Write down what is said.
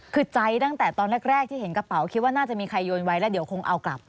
คือใจตั้งแต่ตอนแรกที่เห็นกระเป๋าคิดว่าน่าจะมีใครโยนไว้แล้วเดี๋ยวคงเอากลับ